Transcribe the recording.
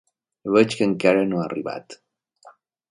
Veig que encara no ha arribat.